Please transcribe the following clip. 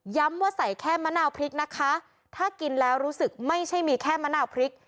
ว่าใส่แค่มะนาวพริกนะคะถ้ากินแล้วรู้สึกไม่ใช่มีแค่มะนาวพริก